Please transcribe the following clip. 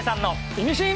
『イミシン』！